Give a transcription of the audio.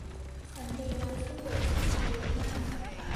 ฉันมีรายชื่อเด็กผู้ชายเยอะมาก